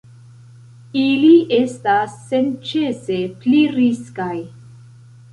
Ili estas senĉese pli riskaj.